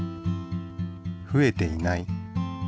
ふえていない。